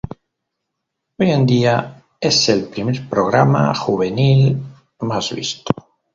Hoy en día es el primer programa juvenil más visto.